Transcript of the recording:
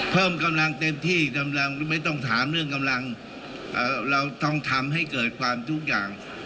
เพิ่มกำลังเต็มที่กำลังไม่ต้องถามเรื่องกำลังเราต้องทำให้เกิดความทุกอย่าง